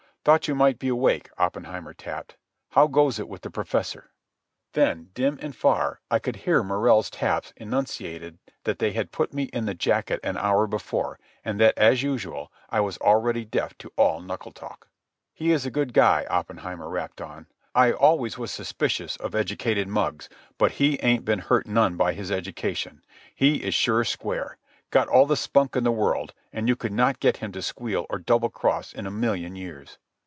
"Thought you might be awake," Oppenheimer tapped. "How goes it with the Professor?" Then, dim and far, I could hear Morrell's taps enunciating that they had put me in the jacket an hour before, and that, as usual, I was already deaf to all knuckle talk. "He is a good guy," Oppenheimer rapped on. "I always was suspicious of educated mugs, but he ain't been hurt none by his education. He is sure square. Got all the spunk in the world, and you could not get him to squeal or double cross in a million years."